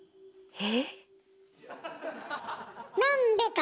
え？